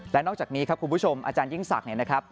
และนอกจากนี้ครับคุณผู้ชมอาจารยิ่งศักดิ์เนี่ยนะครับ